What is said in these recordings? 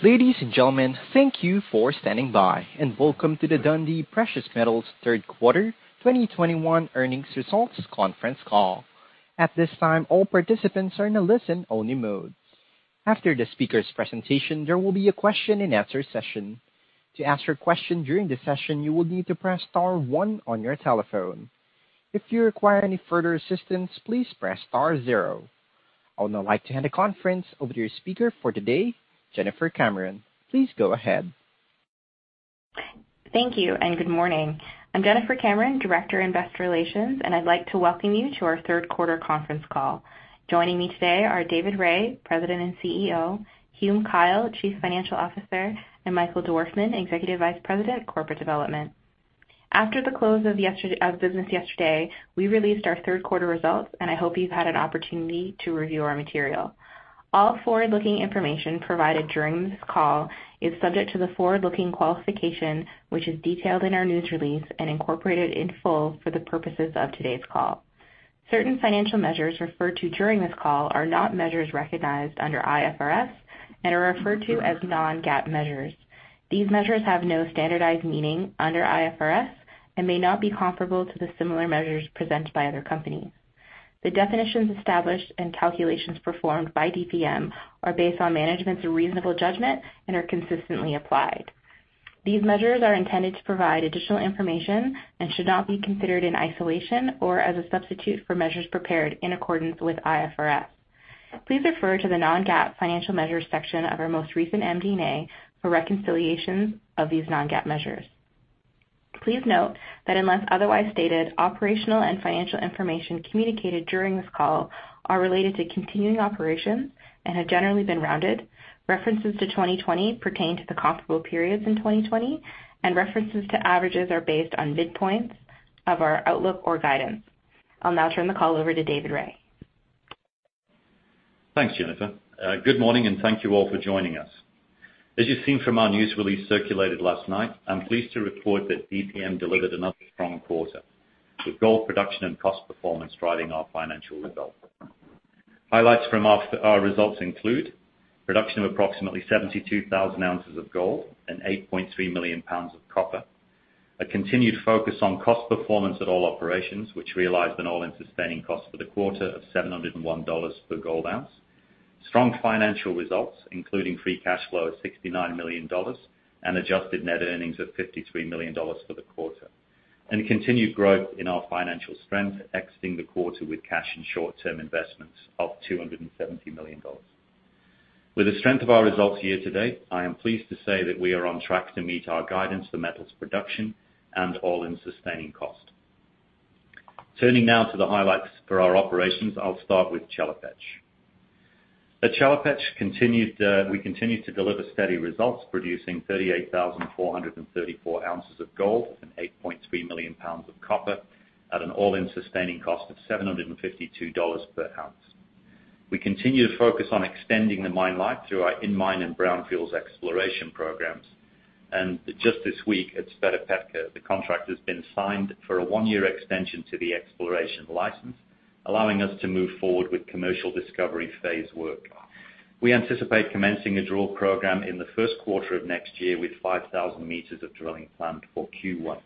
Ladies and gentlemen, thank you for standing by, and welcome to the Dundee Precious Metals Q3 2021 earnings results conference call. At this time, all participants are in a listen-only mode. After the speaker's presentation, there will be a question and answer session. To ask your question during the session, you will need to press star one on your telephone. If you require any further assistance, please press star zero. I would now like to hand the conference over to your speaker for today, Jennifer Cameron. Please go ahead. Thank you, and good morning. I'm Jennifer Cameron, Director, Investor Relations, and I'd like to welcome you to our Q3 conference call. Joining me today are David Rae, President and CEO, Hume Kyle, Chief Financial Officer, and Michael Dorfman, Executive Vice President, Corporate Development. After the close of business yesterday, we released our Q3 results, and I hope you've had an opportunity to review our material. All forward-looking information provided during this call is subject to the forward-looking qualification, which is detailed in our news release and incorporated in full for the purposes of today's call. Certain financial measures referred to during this call are not measures recognized under IFRS and are referred to as non-GAAP measures. These measures have no standardized meaning under IFRS and may not be comparable to the similar measures presented by other companies. The definitions established and calculations performed by DPM are based on management's reasonable judgment and are consistently applied. These measures are intended to provide additional information and should not be considered in isolation or as a substitute for measures prepared in accordance with IFRS. Please refer to the non-GAAP financial measures section of our most recent MD&A for reconciliations of these non-GAAP measures. Please note that unless otherwise stated, operational and financial information communicated during this call are related to continuing operations and have generally been rounded. References to 2020 pertain to the comparable periods in 2020, and references to averages are based on midpoints of our outlook or guidance. I'll now turn the call over to David Rae. Thanks, Jennifer. Good morning, and thank you all for joining us. As you've seen from our news release circulated last night, I'm pleased to report that DPM delivered another strong quarter, with gold production and cost performance driving our financial results. Highlights from our results include production of approximately 72,000 ounces of gold and 8.3 million pounds of copper. A continued focus on cost performance at all operations, which realized an all-in sustaining cost for the quarter of $701 per gold ounce. Strong financial results, including free cash flow of $69 million and adjusted net earnings of $53 million for the quarter. Continued growth in our financial strength, exiting the quarter with cash and short-term investments of $270 million. With the strength of our results year to date, I am pleased to say that we are on track to meet our guidance for metals production and all-in sustaining cost. Turning now to the highlights for our operations. I'll start with Chelopech. At Chelopech, we continued to deliver steady results, producing 38,434 ounces of gold and 8.3 million pounds of copper at an all-in sustaining cost of $752 per ounce. We continue to focus on extending the mine life through our in-mine and brownfields exploration programs. Just this week at Sredokraska, the contract has been signed for a one-year extension to the exploration license, allowing us to move forward with commercial discovery phase work. We anticipate commencing a drill program in the Q1 of next year, with 5,000 m of drilling planned for Q1.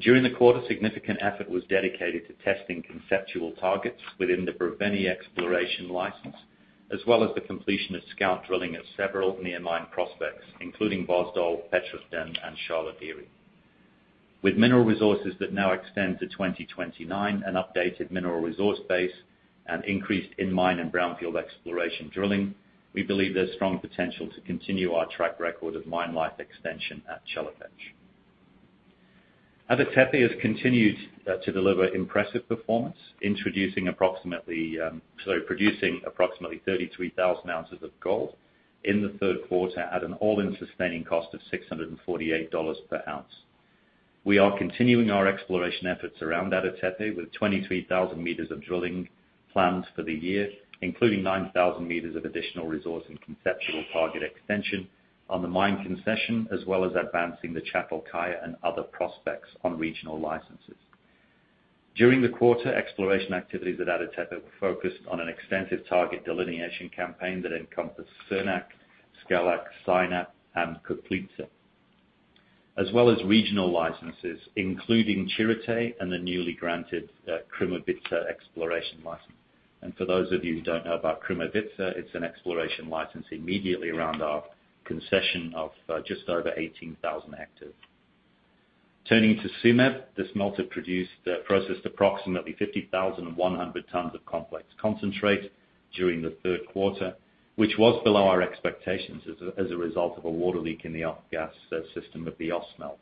During the quarter, significant effort was dedicated to testing conceptual targets within the Brevene exploration license, as well as the completion of scout drilling at several near mine prospects, including Vozdol, Petrovden, and Sharlo Dere. With mineral resources that now extend to 2029, an updated mineral resource base, and increased in-mine and brownfield exploration drilling, we believe there's strong potential to continue our track record of mine life extension at Chelopech. Ada Tepe has continued to deliver impressive performance, producing approximately 33,000 ounces of gold in the Q3 at an all-in sustaining cost of $648 per ounce. We are continuing our exploration efforts around Ada Tepe, with 23,000 m of drilling planned for the year, including 9,000 m of additional resource and conceptual target extension on the mine concession, as well as advancing the Çatal Kaya and other prospects on regional licenses. During the quarter, exploration activities at Ada Tepe focused on an extensive target delineation campaign that encompassed Sarnak, Skalak, Sinap, and Kupel, as well as regional licenses including Chirite and the newly granted Krumovitsa exploration license. For those of you who don't know about Krumovitsa, it's an exploration license immediately around our concession of just over 18,000 hectares. Turning to Tsumeb, the smelter processed approximately 50,100 tons of complex concentrate during the Q3, which was below our expectations as a result of a water leak in the off-gas system of the Ausmelt.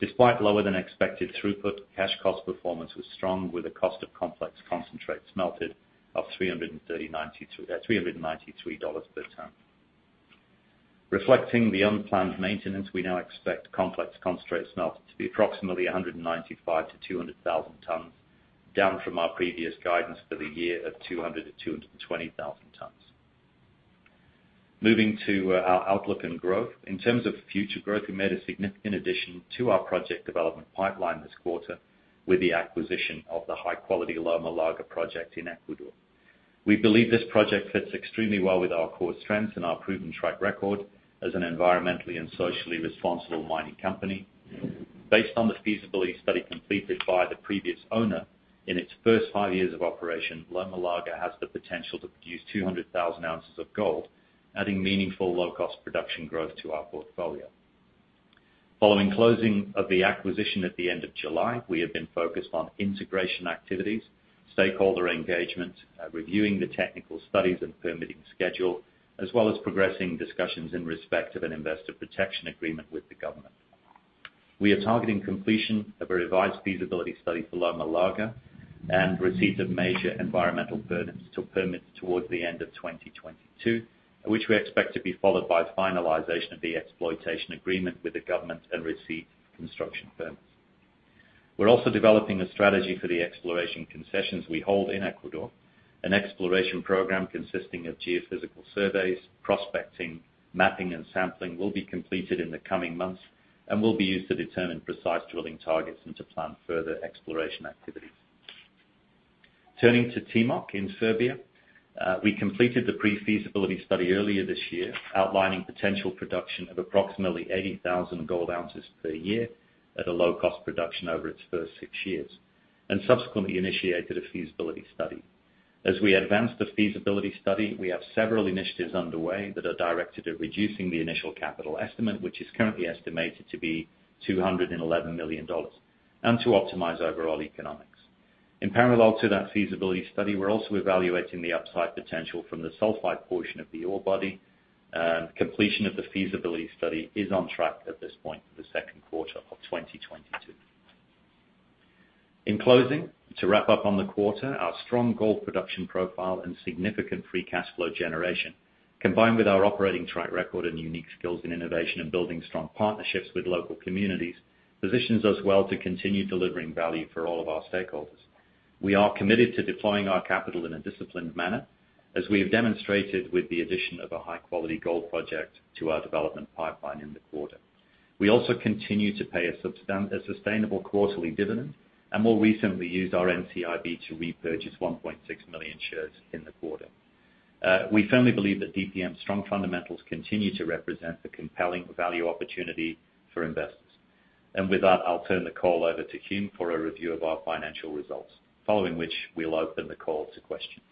Despite lower than expected throughput, cash cost performance was strong with the cost of complex concentrates smelted of $393 per ton. Reflecting the unplanned maintenance, we now expect complex concentrates smelt to be approximately 195,000-200,000 tons, down from our previous guidance for the year of 200,000-220,000 tons. Moving to our outlook and growth. In terms of future growth, we made a significant addition to our project development pipeline this quarter with the acquisition of the high-quality Loma Larga project in Ecuador. We believe this project fits extremely well with our core strengths and our proven track record as an environmentally and socially responsible mining company. Based on the feasibility study completed by the previous owner, in its first five years of operation, Loma Larga has the potential to produce 200,000 ounces of gold, adding meaningful low-cost production growth to our portfolio. Following closing of the acquisition at the end of July, we have been focused on integration activities, stakeholder engagement, reviewing the technical studies and permitting schedule, as well as progressing discussions in respect of an investor protection agreement with the government. We are targeting completion of a revised feasibility study for Loma Larga and receipt of major environmental permits towards the end of 2022, which we expect to be followed by finalization of the exploitation agreement with the government and receipt of construction permits. We're also developing a strategy for the exploration concessions we hold in Ecuador. An exploration program consisting of geophysical surveys, prospecting, mapping and sampling will be completed in the coming months and will be used to determine precise drilling targets and to plan further exploration activities. Turning to Timok in Serbia, we completed the pre-feasibility study earlier this year, outlining potential production of approximately 80,000 gold ounces per year at a low cost production over its first 6 years, and subsequently initiated a feasibility study. As we advance the feasibility study, we have several initiatives underway that are directed at reducing the initial capital estimate, which is currently estimated to be $211 million, and to optimize overall economics. In parallel to that feasibility study, we're also evaluating the upside potential from the sulfide portion of the ore body. Completion of the feasibility study is on track at this point for the second quarter of 2022. In closing, to wrap up on the quarter, our strong gold production profile and significant free cash flow generation, combined with our operating track record and unique skills in innovation and building strong partnerships with local communities, positions us well to continue delivering value for all of our stakeholders. We are committed to deploying our capital in a disciplined manner, as we have demonstrated with the addition of a high-quality gold project to our development pipeline in the quarter. We also continue to pay a sustainable quarterly dividend, and more recently used our NCIB to repurchase 1.6 million shares in the quarter. We firmly believe that DPM's strong fundamentals continue to represent the compelling value opportunity for investors. With that, I'll turn the call over to Hume for a review of our financial results, following which we'll open the call to questions.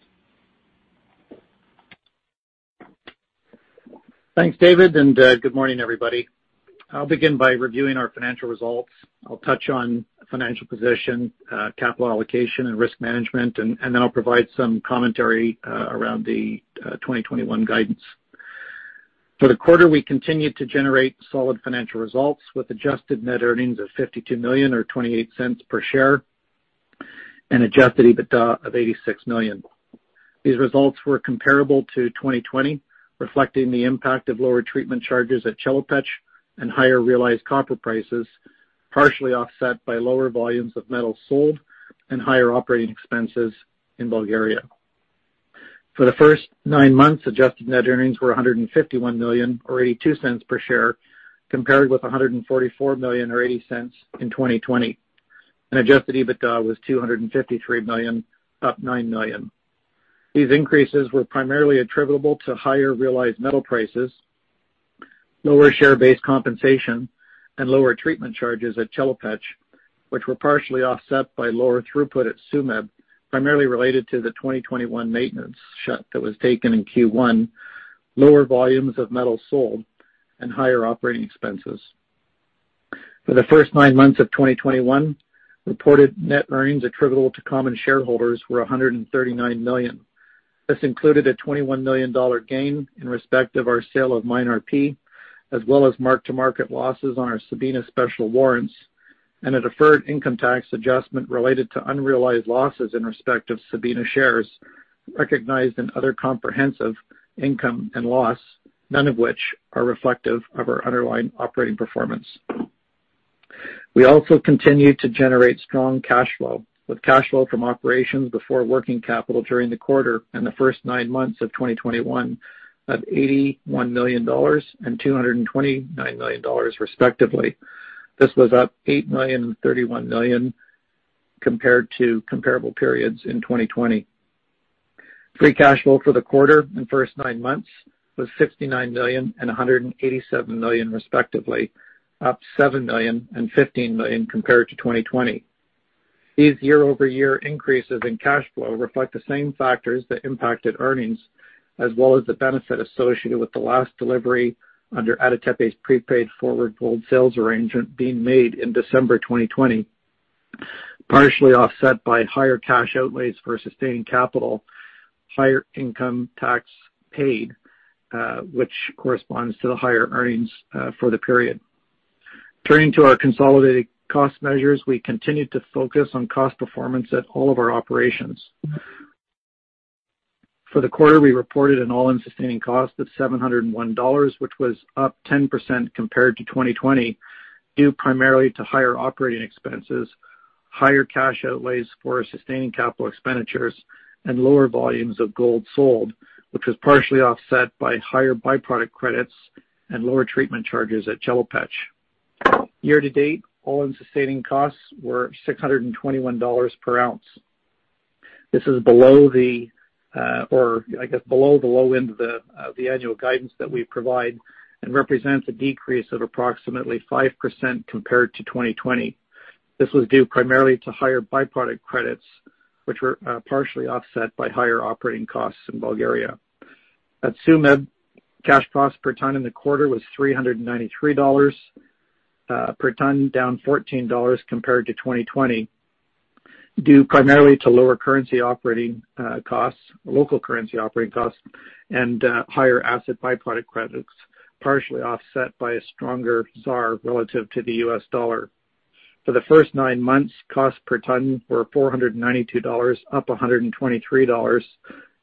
Thanks, David, and good morning, everybody. I'll begin by reviewing our financial results. I'll touch on financial position, capital allocation and risk management, and then I'll provide some commentary around the 2021 guidance. For the quarter, we continued to generate solid financial results with adjusted net earnings of $52 million or $0.28 per share and adjusted EBITDA of $86 million. These results were comparable to 2020, reflecting the impact of lower treatment charges at Chelopech and higher realized copper prices, partially offset by lower volumes of metal sold and higher operating expenses in Bulgaria. For the first nine months, adjusted net earnings were $151 million or $0.82 per share, compared with $144 million or $0.80 in 2020. Adjusted EBITDA was $253 million, up $9 million. These increases were primarily attributable to higher realized metal prices, lower share-based compensation and lower treatment charges at Chelopech, which were partially offset by lower throughput at Tsumeb, primarily related to the 2021 maintenance shut that was taken in Q1, lower volumes of metal sold and higher operating expenses. For the first nine months of 2021, reported net earnings attributable to common shareholders were $139 million. This included a $21 million gain in respect of our sale of MineRP, as well as mark-to-market losses on our Sabina special warrants and a deferred income tax adjustment related to unrealized losses in respect of Sabina shares recognized in other comprehensive income and loss, none of which are reflective of our underlying operating performance. We also continued to generate strong cash flow, with cash flow from operations before working capital during the quarter and the first nine months of 2021 of $81 million and $229 million, respectively. This was up $8 million and $31 million compared to comparable periods in 2020. Free cash flow for the quarter and first nine months was $69 million and $187 million, respectively, up $7 million and $15 million compared to 2020. These year-over-year increases in cash flow reflect the same factors that impacted earnings, as well as the benefit associated with the last delivery under Ada Tepe's prepaid forward gold sales arrangement being made in December 2020, partially offset by higher cash outlays for sustaining capital, higher income tax paid, which corresponds to the higher earnings, for the period. Turning to our consolidated cost measures, we continued to focus on cost performance at all of our operations. For the quarter, we reported an all-in sustaining cost of $701, which was up 10% compared to 2020, due primarily to higher operating expenses, higher cash outlays for sustaining capital expenditures, and lower volumes of gold sold, which was partially offset by higher byproduct credits and lower treatment charges at Chelopech. Year to date, all-in sustaining costs were $621 per ounce. This is below the, or I guess below the low end of the annual guidance that we provide and represents a decrease of approximately 5% compared to 2020. This was due primarily to higher byproduct credits, which were partially offset by higher operating costs in Bulgaria. At Tsumeb, cash costs per ton in the quarter was $393 per ton, down $14 compared to 2020, due primarily to lower local currency operating costs and higher byproduct credits, partially offset by a stronger ZAR relative to the US dollar. For the first nine months, costs per ton were $492, up $123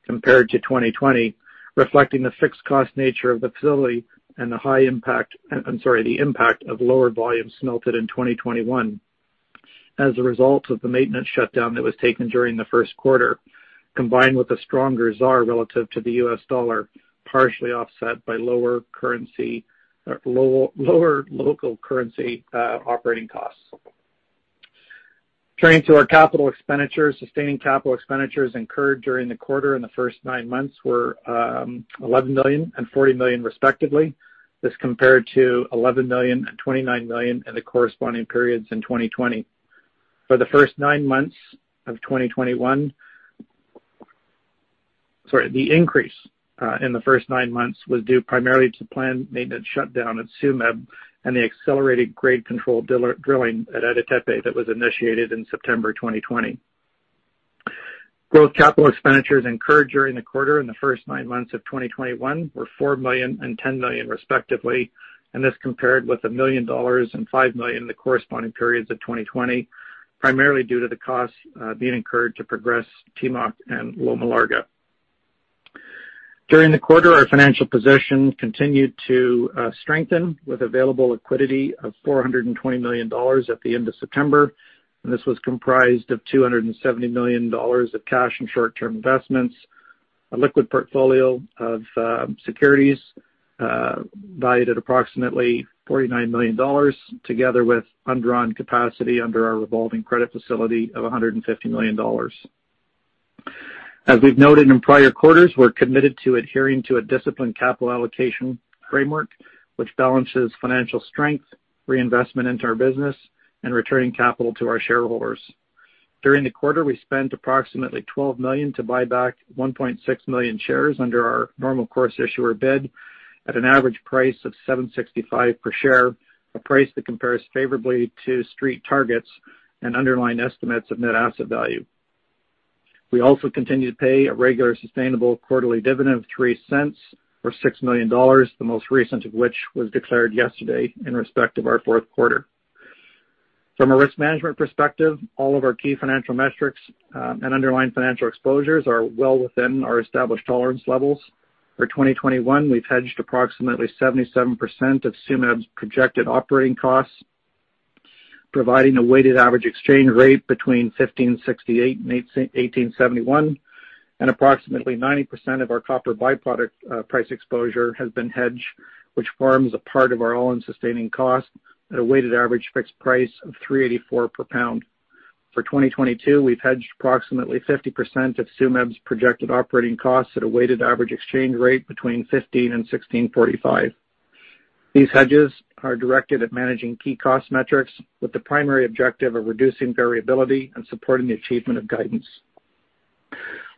compared to 2020, reflecting the fixed cost nature of the facility and the impact of lower volumes smelted in 2021. As a result of the maintenance shutdown that was taken during the Q1, combined with a stronger ZAR relative to the US dollar, partially offset by lower local currency operating costs. Turning to our capital expenditures, sustaining capital expenditures incurred during the quarter and the first nine months were $11 million and $40 million, respectively. This compared to $11 million and $29 million in the corresponding periods in 2020. The increase in the first nine months was due primarily to planned maintenance shutdown at Tsumeb and the accelerated grade control drilling at Ada Tepe that was initiated in September 2020. Growth capital expenditures incurred during the quarter and the first nine months of 2021 were $4 million and $10 million, respectively. This compared with $1 million and $5 million in the corresponding periods of 2020, primarily due to the costs being incurred to progress Timok and Loma Larga. During the quarter, our financial position continued to strengthen with available liquidity of $420 million at the end of September, and this was comprised of $270 million of cash and short-term investments, a liquid portfolio of securities valued at approximately $49 million, together with undrawn capacity under our revolving credit facility of $150 million. As we've noted in prior quarters, we're committed to adhering to a disciplined capital allocation framework, which balances financial strength, reinvestment into our business and returning capital to our shareholders. During the quarter, we spent approximately $12 million to buy back 1.6 million shares under our normal course issuer bid at an average price of 7.65 per share, a price that compares favorably to street targets and underlying estimates of net asset value. We also continue to pay a regular sustainable quarterly dividend of $0.03 for $6 million, the most recent of which was declared yesterday in respect of our fourth quarter. From a risk management perspective, all of our key financial metrics and underlying financial exposures are well within our established tolerance levels. For 2021, we've hedged approximately 77% of Tsumeb's projected operating costs, providing a weighted average exchange rate between 15.68 and 18.71, and approximately 90% of our copper byproduct price exposure has been hedged, which forms a part of our all-in sustaining cost at a weighted average fixed price of $3.84 per pound. For 2022, we've hedged approximately 50% of Tsumeb's projected operating costs at a weighted average exchange rate between 15 and 16.45. These hedges are directed at managing key cost metrics with the primary objective of reducing variability and supporting the achievement of guidance.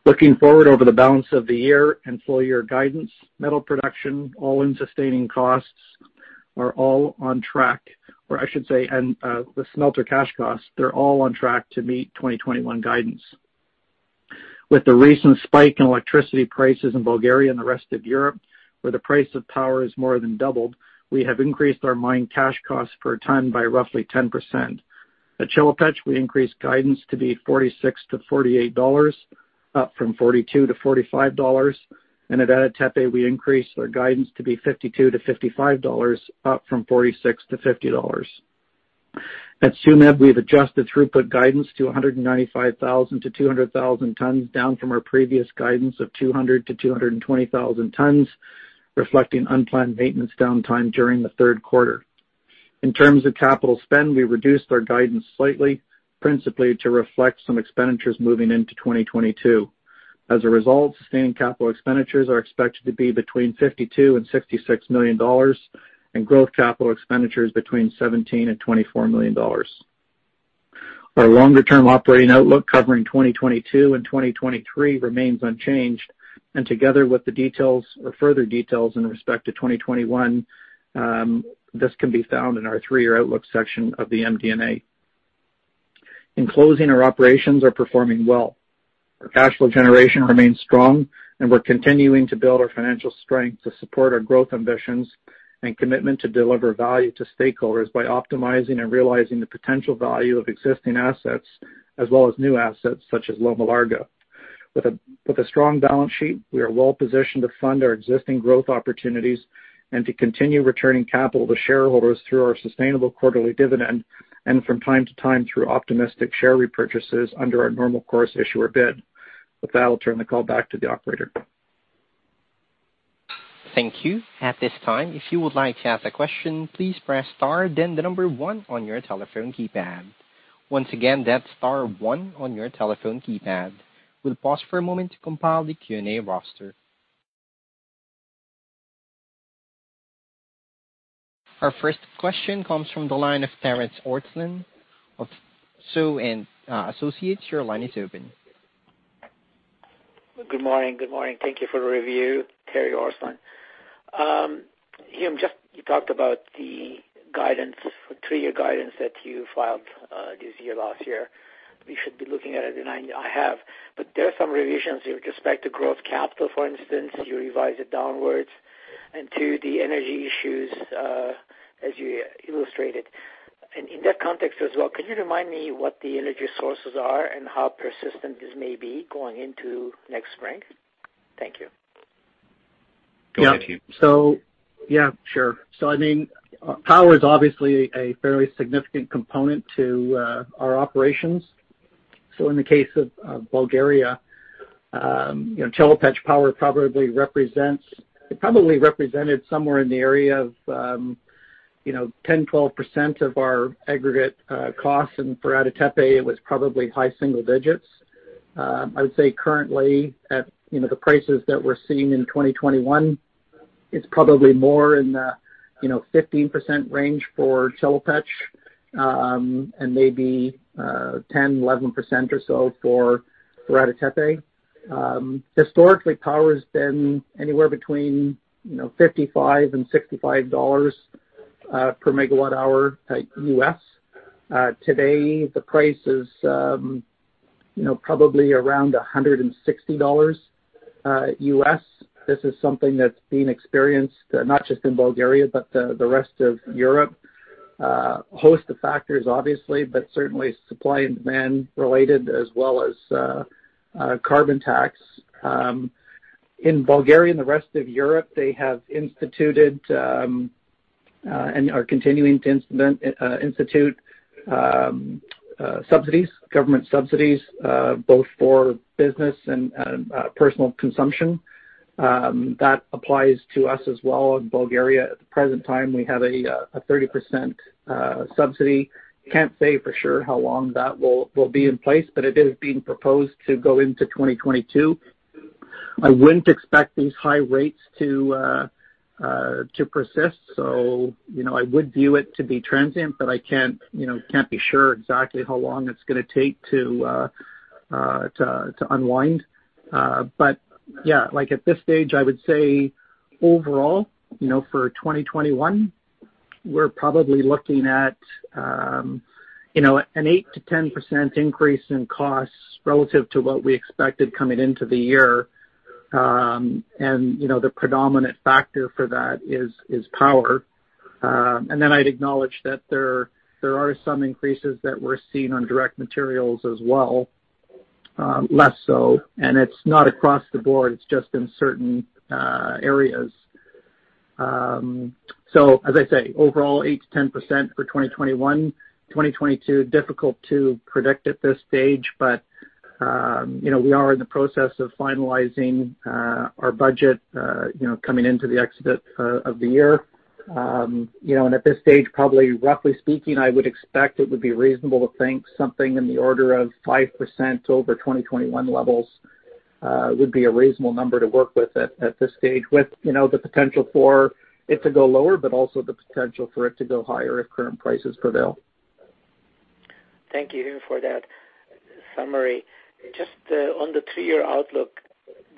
Looking forward over the balance of the year and full year guidance, metal production, all-in sustaining costs, and the smelter cash costs are all on track to meet 2021 guidance. With the recent spike in electricity prices in Bulgaria and the rest of Europe, where the price of power has more than doubled, we have increased our mine cash costs per ton by roughly 10%. At Chelopech, we increased guidance to be $46-$48, up from $42-$45. At Ada Tepe, we increased our guidance to be $52-$55, up from $46-$50. At Tsumeb, we've adjusted throughput guidance to 195,000-200,000 tons, down from our previous guidance of 200,000-220,000 tons, reflecting unplanned maintenance downtime during the Q3. In terms of capital spend, we reduced our guidance slightly, principally to reflect some expenditures moving into 2022. As a result, sustaining capital expenditures are expected to be between $52-$66 million, and growth capital expenditures between $17-$24 million. Our longer term operating outlook covering 2022 and 2023 remains unchanged, and together with the details or further details in respect to 2021, this can be found in our three-year outlook section of the MD&A. In closing, our operations are performing well. Our cash flow generation remains strong, and we're continuing to build our financial strength to support our growth ambitions and commitment to deliver value to stakeholders by optimizing and realizing the potential value of existing assets as well as new assets such as Loma Larga. With a strong balance sheet, we are well positioned to fund our existing growth opportunities and to continue returning capital to shareholders through our sustainable quarterly dividend and from time to time, through opportunistic share repurchases under our Normal Course Issuer Bid. With that, I'll turn the call back to the operator. Thank you. At this time, if you would like to ask a question, please press star then the number one on your telephone keypad. Once again, that's star one on your telephone keypad. We'll pause for a moment to compile the Q&A roster. Our first question comes from the line of Terry Ortslan of TSO & Associates. Your line is open. Good morning. Thank you for the review. Terry Ortslan. Hume, just you talked about the guidance, three-year guidance that you filed, this year, last year. We should be looking at it, and I have. There are some revisions with respect to growth capital, for instance, you revised it downwards and to the energy issues, as you illustrated. In that context as well, could you remind me what the energy sources are and how persistent this may be going into next spring? Thank you. Go ahead, Hume. Yeah. Power is obviously a fairly significant component to our operations. In the case of Bulgaria, you know, Chelopech power probably represented somewhere in the area of, you know, 10%-12% of our aggregate costs. And for Ada Tepe, it was probably high single digits. I would say currently at, you know, the prices that we're seeing in 2021, it's probably more in the, you know, 15% range for Chelopech, and maybe, ten, eleven percent or so for Ada Tepe. Historically, power's been anywhere between, you know, $55-$65 per MWh, U.S. Today the price is, you know, probably around $160, U.S. This is something that's being experienced, not just in Bulgaria, but the rest of Europe. A host of factors obviously, but certainly supply and demand related as well as carbon tax. In Bulgaria and the rest of Europe, they have instituted and are continuing to institute subsidies, government subsidies, both for business and personal consumption. That applies to us as well in Bulgaria. At the present time, we have a 30% subsidy. Can't say for sure how long that will be in place, but it is being proposed to go into 2022. I wouldn't expect these high rates to persist. I would view it to be transient, but I can't, you know, can't be sure exactly how long it's going to take to unwind. But yeah, like at this stage, I would say overall, you know, for 2021, we're probably looking at an 8%-10% increase in costs relative to what we expected coming into the year. And, you know, the predominant factor for that is power. And then I'd acknowledge that there are some increases that we're seeing on direct materials as well, less so, and it's not across the board, it's just in certain areas. As I say, overall, 8%-10% for 2021. 2022, difficult to predict at this stage. You know, we are in the process of finalizing our budget, you know, coming into the end of the year. You know, at this stage, probably roughly speaking, I would expect it would be reasonable to think something in the order of 5% over 2021 levels would be a reasonable number to work with at this stage with, you know, the potential for it to go lower, but also the potential for it to go higher if current prices prevail. Thank you, Hume, for that summary. Just on the three-year outlook,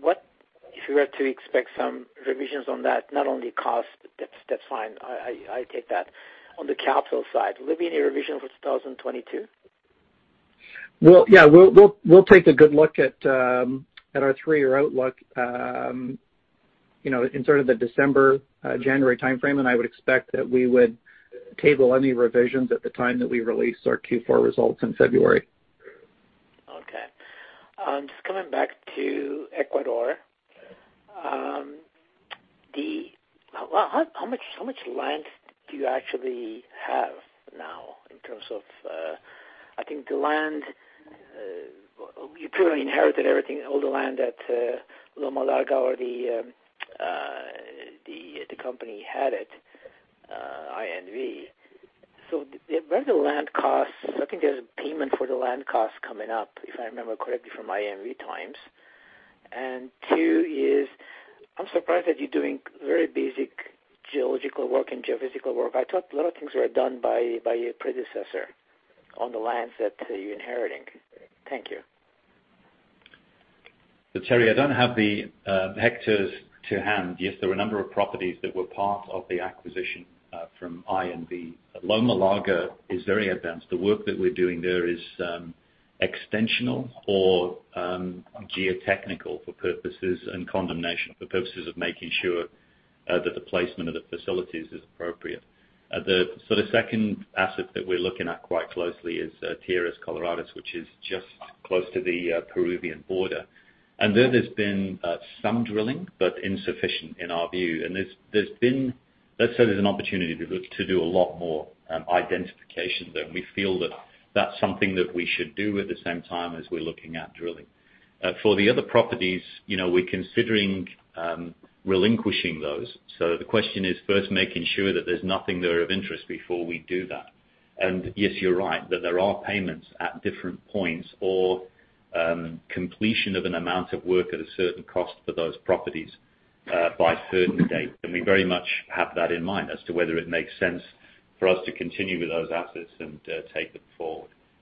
what if you were to expect some revisions on that, not only cost, that's fine, I take that. On the capital side, will there be any revision for 2022? We'll take a good look at our three-year outlook, you know, in sort of the December, January timeframe. I would expect that we would table any revisions at the time that we release our Q4 results in February. Okay. Just coming back to Ecuador, how much land do you actually have now in terms of, I think the land, you purely inherited everything, all the land that Loma Larga or the company had it, INV. So what are the land costs? I think there's a payment for the land costs coming up, if I remember correctly, from INV's time. Too, I'm surprised that you're doing very basic geological work and geophysical work. I thought a lot of things were done by your predecessor on the lands that you're inheriting. Thank you. Terry, I don't have the hectares to hand. Yes, there were a number of properties that were part of the acquisition from INV. Loma Larga is very advanced. The work that we're doing there is extensional or geotechnical for purposes and condemnation for purposes of making sure that the placement of the facilities is appropriate. The second asset that we're looking at quite closely is Tierras Coloradas, which is just close to the Peruvian border. There has been some drilling, but insufficient in our view. Let's say there's an opportunity to do a lot more identification there, and we feel that that's something that we should do at the same time as we're looking at drilling. For the other properties, you know, we're considering relinquishing those. The question is first making sure that there's nothing there of interest before we do that. Yes, you're right that there are payments at different points or completion of an amount of work at a certain cost for those properties by a certain date. We very much have that in mind as to whether it makes sense for us to continue with those assets and take them forward.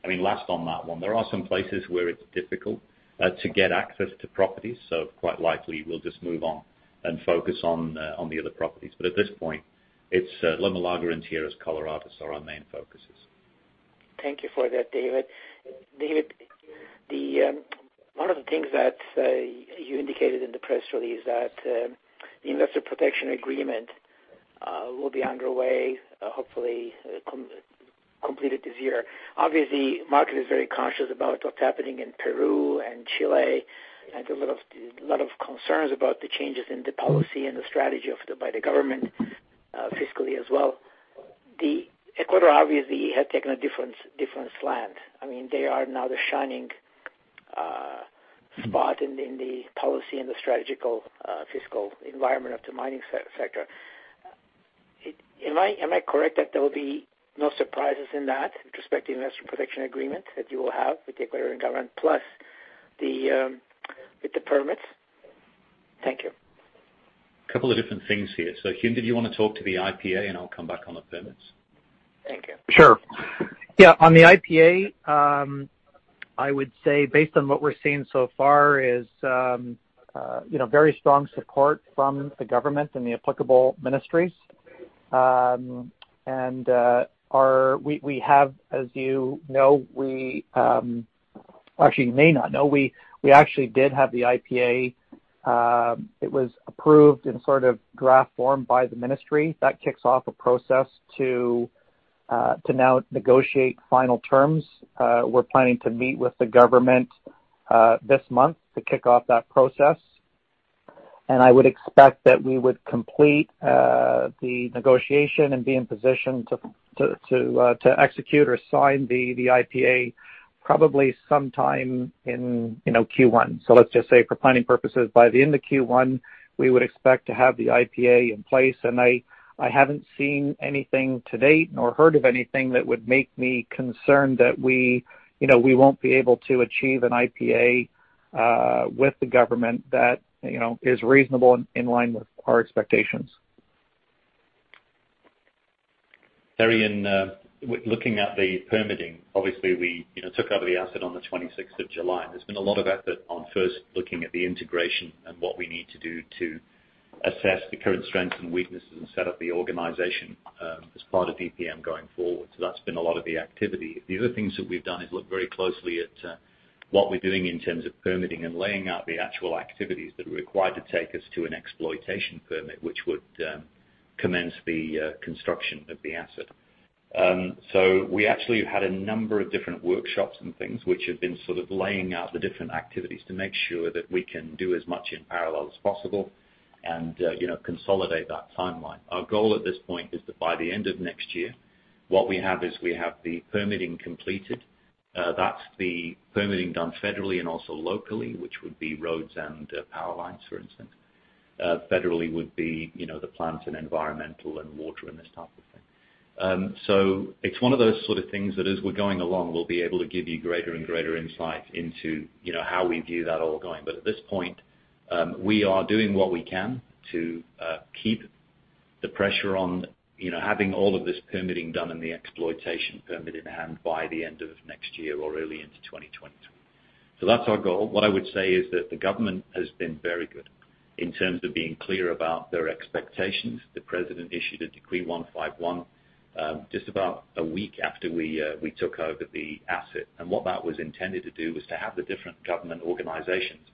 I mean, last on that one, there are some places where it's difficult to get access to properties, so quite likely we'll just move on and focus on the other properties. At this point, it's Loma Larga, Tierras Coloradas are our main focuses. Thank you for that, David. David, one of the things that you indicated in the press release that the investor protection agreement will be underway, hopefully completed this year. Obviously, market is very conscious about what's happening in Peru and Chile. There's a lot of concerns about the changes in the policy and the strategy by the government, fiscally as well. Ecuador obviously had taken a different slant. I mean, they are now the shining spot in the policy and the strategical fiscal environment of the mining sector. Am I correct that there will be no surprises in that prospective investor protection agreement that you will have with the Ecuadorian government plus the permits? Thank you. A couple of different things here. Hume, did you want to talk to the IPA and I'll come back on the permits? Thank you. Sure. Yeah, on the IPA, I would say based on what we're seeing so far is, you know, very strong support from the government and the applicable ministries. We have, as you know, or actually you may not know, we actually did have the IPA, it was approved in sort of draft form by the ministry. That kicks off a process to now negotiate final terms. We're planning to meet with the government, this month to kick off that process. I would expect that we would complete the negotiation and be in position to execute or sign the IPA probably sometime in, you know, Q1. Let's just say for planning purposes, by the end of Q1, we would expect to have the IPA in place. I haven't seen anything to date nor heard of anything that would make me concerned that we, you know, won't be able to achieve an IPA with the government that, you know, is reasonable and in line with our expectations. Looking at the permitting, obviously we, you know, took over the asset on the 26th of July. There's been a lot of effort on first looking at the integration and what we need to do to assess the current strengths and weaknesses and set up the organization as part of DPM going forward. That's been a lot of the activity. The other things that we've done is look very closely at what we're doing in terms of permitting and laying out the actual activities that are required to take us to an exploitation permit, which would commence the construction of the asset. We actually had a number of different workshops and things which have been sort of laying out the different activities to make sure that we can do as much in parallel as possible and, you know, consolidate that timeline. Our goal at this point is that by the end of next year, what we have is we have the permitting completed. That's the permitting done federally and also locally, which would be roads and power lines, for instance. Federally would be, you know, the plants and environmental and water and this type of thing. It's one of those sort of things that as we're going along, we'll be able to give you greater and greater insight into, you know, how we view that all going. At this point, we are doing what we can to keep the pressure on, you know, having all of this permitting done and the exploitation permit in hand by the end of next year or early into 2020. That's our goal. What I would say is that the government has been very good in terms of being clear about their expectations. The president issued a Decree 151 just about a week after we took over the asset. What that was intended to do was to have the different government organizations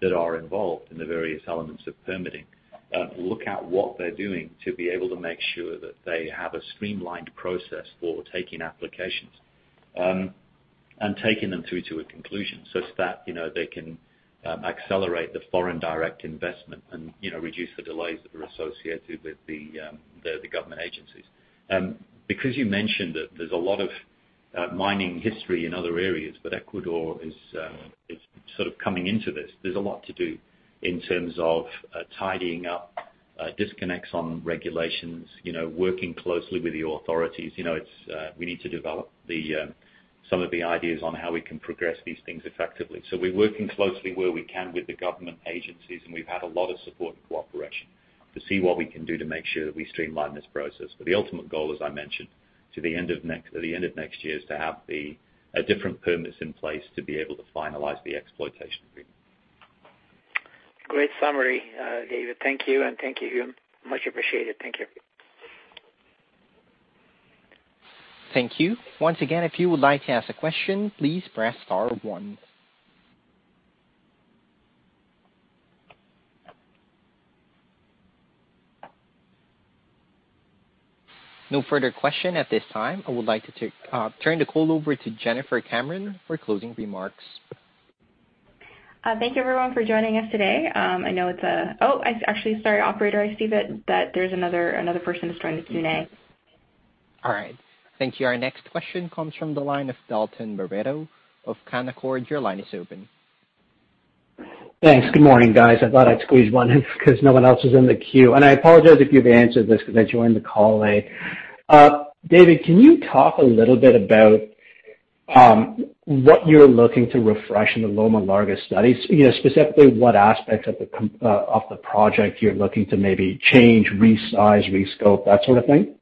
that are involved in the various elements of permitting look at what they're doing to be able to make sure that they have a streamlined process for taking applications and taking them through to a conclusion such that, you know, they can accelerate the foreign direct investment and, you know, reduce the delays that are associated with the government agencies. Because you mentioned that there's a lot of mining history in other areas, but Ecuador is sort of coming into this. There's a lot to do in terms of tidying up disconnects on regulations, you know, working closely with the authorities. You know, it's we need to develop some of the ideas on how we can progress these things effectively. We're working closely where we can with the government agencies, and we've had a lot of support and cooperation to see what we can do to make sure that we streamline this process. The ultimate goal, as I mentioned, to the end of next year, is to have the different permits in place to be able to finalize the exploitation agreement. Great summary, David. Thank you, and thank you, Hume. Much appreciated. Thank you. Thank you. Once again, if you would like to ask a question, please press star one. No further question at this time. I would like to turn the call over to Jennifer Cameron for closing remarks. Thank you everyone for joining us today. Sorry operator, I see that there's another person who's joined us today. All right. Thank you. Our next question comes from the line of Dalton Baretto of Canaccord. Your line is open. Thanks. Good morning, guys. I thought I'd squeeze one in because no one else is in the queue. I apologize if you've answered this because I joined the call late. David, can you talk a little bit about what you're looking to refresh in the Loma Larga studies? You know, specifically what aspects of the project you're looking to maybe change, resize, re-scope, that sort of thing?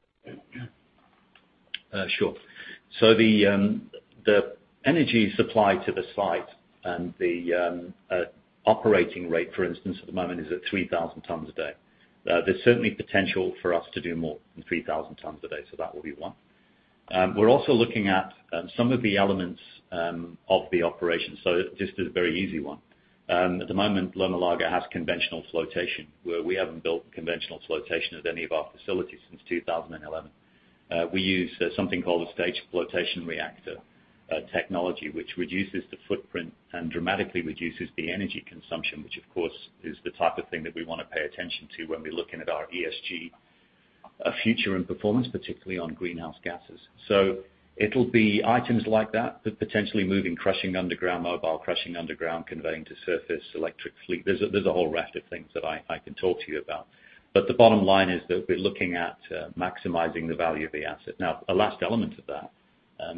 Sure. The energy supply to the site and the operating rate, for instance, at the moment is at 3,000 tons a day. There's certainly potential for us to do more than 3,000 tons a day, so that will be one. We're also looking at some of the elements of the operation. Just a very easy one. At the moment, Loma Larga has conventional flotation where we haven't built conventional flotation at any of our facilities since 2011. We use something called a staged flotation reactor technology, which reduces the footprint and dramatically reduces the energy consumption, which of course is the type of thing that we want to pay attention to when we're looking at our ESG future and performance, particularly on greenhouse gases. It'll be items like that potentially moving, crushing underground, mobile crushing underground, conveying to surface, electric fleet. There's a whole raft of things that I can talk to you about. The bottom line is that we're looking at maximizing the value of the asset. Now, the last element of that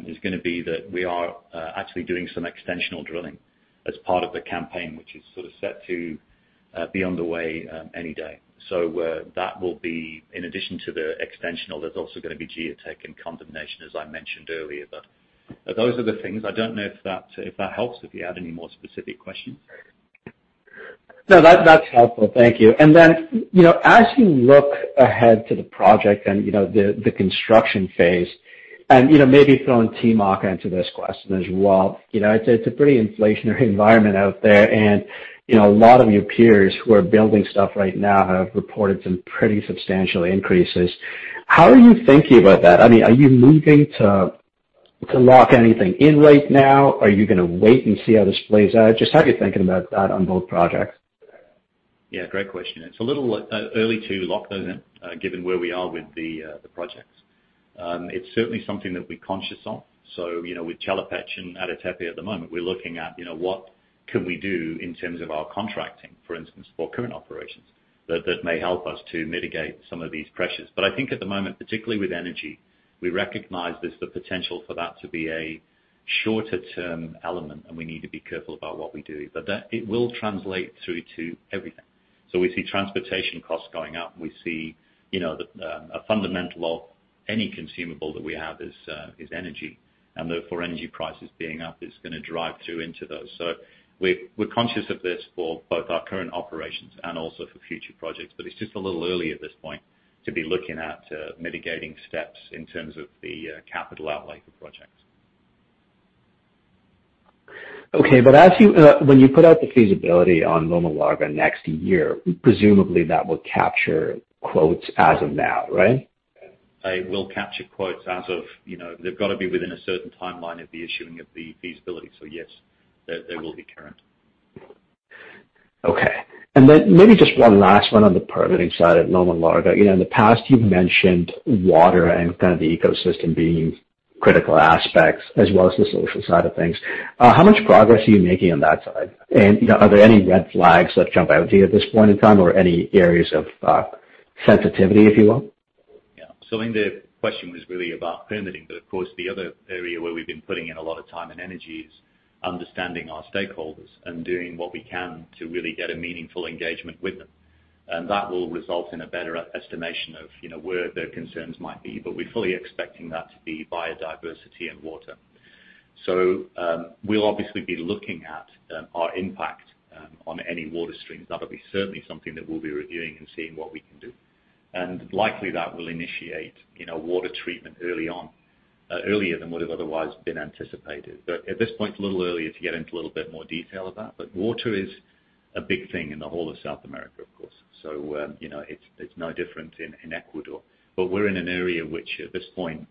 is going to be that we are actually doing some extensional drilling as part of the campaign, which is sort of set to be underway any day. That will be in addition to the extensional, there's also going to be geotech and condemnation, as I mentioned earlier. Those are the things. I don't know if that helps, if you had any more specific questions. No. That's helpful. Thank you. You know, as you look ahead to the project and, you know, the construction phase and, you know, maybe throwing Timok into this question as well. You know, it's a pretty inflationary environment out there and, you know, a lot of your peers who are building stuff right now have reported some pretty substantial increases. How are you thinking about that? I mean, are you looking to lock anything in right now? Are you going to wait and see how this plays out? Just how you're thinking about that on both projects. Yeah, great question. It's a little early to lock those in, given where we are with the projects. It's certainly something that we're conscious of. You know, with Chelopech and Ada Tepe at the moment, we're looking at, you know, what could we do in terms of our contracting, for instance, for current operations that may help us to mitigate some of these pressures. I think at the moment, particularly with energy, we recognize there's the potential for that to be a shorter term element, and we need to be careful about what we do. That will translate through to everything. We see transportation costs going up. We see, you know, a fundamental of any consumable that we have is energy. Therefore, energy prices being up is going to drive through into those. We're conscious of this for both our current operations and also for future projects. It's just a little early at this point to be looking at mitigating steps in terms of the capital outlay for projects. Okay. When you put out the feasibility on Loma Larga next year, presumably that will capture costs as of now, right? They will capture quotes as of, you know, they've got to be within a certain timeline of the issuing of the feasibility. Yes, they will be current. Okay. Maybe just one last one on the permitting side of Loma Larga. You know, in the past you've mentioned water and kind of the ecosystem being critical aspects as well as the social side of things. How much progress are you making on that side? You know, are there any red flags that jump out to you at this point in time or any areas of sensitivity, if you will? Yeah. I think the question was really about permitting, but of course, the other area where we've been putting in a lot of time and energy is understanding our stakeholders and doing what we can to really get a meaningful engagement with them. That will result in a better estimation of, you know, where their concerns might be. We're fully expecting that to be biodiversity and water. We'll obviously be looking at our impact on any water streams. That'll be certainly something that we'll be reviewing and seeing what we can do. Likely that will initiate, you know, water treatment early on, earlier than would have otherwise been anticipated. At this point, a little early to get into a little bit more detail of that. Water is a big thing in the whole of South America, of course. you know, it's no different in Ecuador. We're in an area which at this point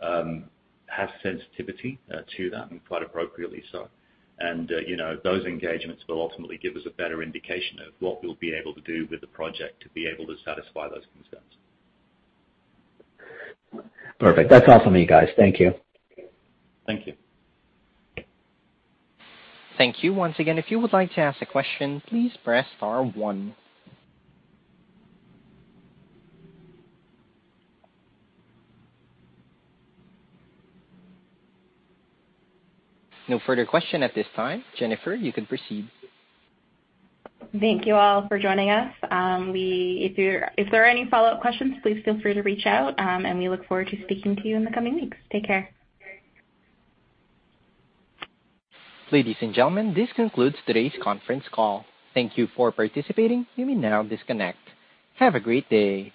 has sensitivity to that, and quite appropriately so. you know, those engagements will ultimately give us a better indication of what we'll be able to do with the project to be able to satisfy those concerns. Perfect. That's all for me, guys. Thank you. Thank you. Thank you. Once again, if you would like to ask a question, please press star one. No further question at this time. Jennifer, you can proceed. Thank you all for joining us. If there are any follow-up questions, please feel free to reach out, and we look forward to speaking to you in the coming weeks. Take care. Ladies and gentlemen, this concludes today's conference call. Thank you for participating. You may now disconnect. Have a great day.